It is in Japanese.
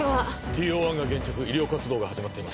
ＴＯ１が現着医療活動が始まっています